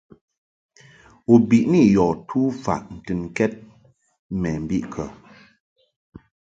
U biʼni yɔ tufaʼ ntɨnkɛd mɛ mbiʼ kə ?